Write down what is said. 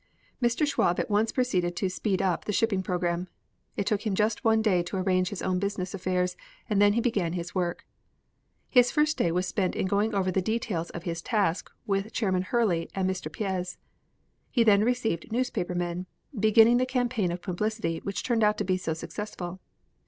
Mr. Schwab at once proceeded to "speed up" the shipping program. It took him just one day to arrange his own business affairs and then he began his work. His first day was spent in going over the details of his task with Chairman Hurley and Mr. Piez. He then received newspaper men, beginning the campaign of publicity which turned out to be so successful.